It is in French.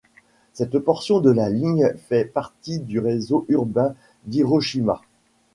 Cette portion de la ligne fait partie du réseau urbain d'Hiroshima.